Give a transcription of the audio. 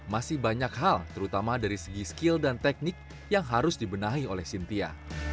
masih banyak hal terutama dari segi skill dan teknik yang harus dibenahi oleh cynthia